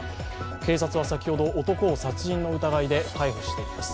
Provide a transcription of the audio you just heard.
警察は先ほど男を殺人の疑いで逮捕しています。